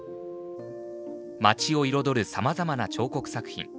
町を彩るさまざまな彫刻作品。